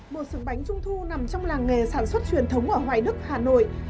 một sừng bánh trung thu nằm trong làng nghề sản xuất truyền thống ở hoài đức hà nội